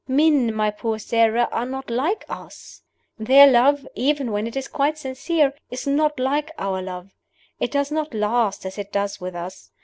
Men, my poor Sara, are not like us. Their love, even when it is quite sincere, is not like our love. It does not last as it does with us.